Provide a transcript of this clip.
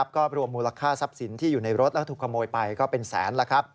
ก็รวมมูลค่าทรัพย์สินที่อยู่ในรถแล้วถูกขโมยไปก็เป็นแสน